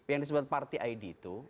yang disebut party id itu